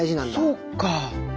そっか。